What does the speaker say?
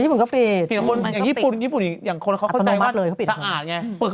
ญี่ปุ่นอย่างคนเขาเข้าใจว่าสะอาดไง